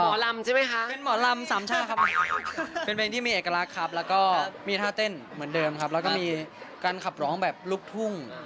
หมอลำใช่ไหมคะเป็นหมอลำสามชาติครับเป็นเพลงที่มีเอกลักษณ์ครับแล้วก็มีท่าเต้นเหมือนเดิมครับแล้วก็มีการขับร้องแบบลูกทุ่ง